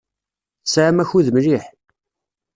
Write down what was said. Tesɛam akud mliḥ.